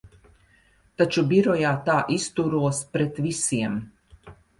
Taču birojā tā izturos pret visiem.